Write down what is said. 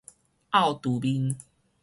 懊嘟面